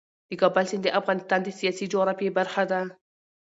د کابل سیند د افغانستان د سیاسي جغرافیې برخه ده.